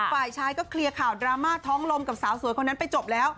ฝ่ายชายก็เคลียร์ข่าวดราม่าท้องลมกับสาวสวยคนนั้นไปจบแล้ว